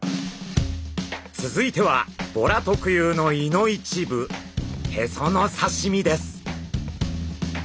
続いてはボラ特有の胃の一部ヘソの刺身です。